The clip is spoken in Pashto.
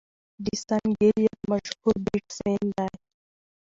جیسن ګيل یک مشهور بيټسمېن دئ.